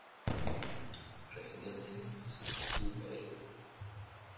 Präsidentin ist Sue Bailey.